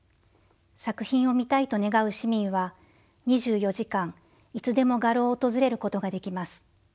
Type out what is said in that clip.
作品を見たいと願う市民は２４時間いつでも画廊を訪れることができます。